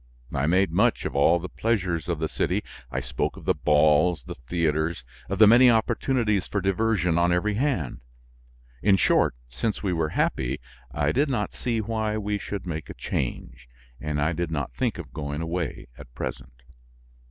I made much of all the pleasures of the city; I spoke of the balls, the theaters, of the many opportunities for diversion on every hand. In short, since we were happy, I did not see why we should make a change; and I did not think of going away at present.